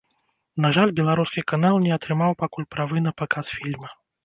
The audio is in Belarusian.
На жаль, беларускі канал не атрымаў пакуль правы на паказ фільма.